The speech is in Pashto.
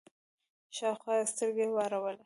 شاوخوا يې سترګې واړولې.